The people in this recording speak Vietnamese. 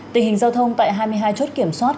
tình hình giao thông tại hai mươi hai chốt kiểm soát